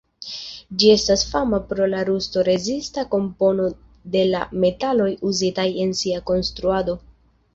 Ĝi estas fama pro la rusto-rezista kompono de la metaloj uzitaj en sia konstruado.